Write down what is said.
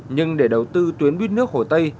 nhưng để đầu tư tuyến buýt nước hồ tây